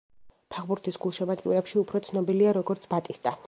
ფეხბურთის გულშემატკივრებში უფრო ცნობილია როგორც ბატისტა.